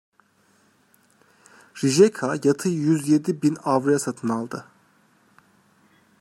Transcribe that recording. Rijeka yatı yüz yedi bin avroya satın aldı.